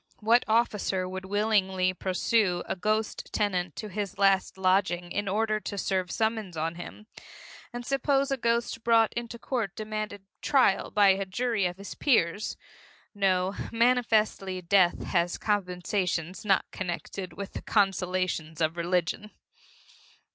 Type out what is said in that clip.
What officer would willingly pursue a ghostly tenant to his last lodging in order to serve summons on him? And suppose a ghost brought into court demanded trial by a jury of his peers? No manifestly death has compensations not connected with the consolations of religion.